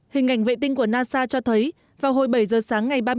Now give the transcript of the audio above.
hình ảnh vệ tinh của nasa cho thấy vào hồi bảy giờ sáng ngày ba mươi